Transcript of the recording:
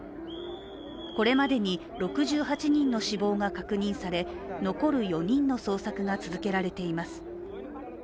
これまでに６８人の死亡が確認され残る４人の捜索が続けられています。